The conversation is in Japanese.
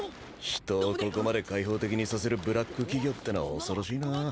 人をここまで開放的にさせるブラック企業ってのは恐ろしいな。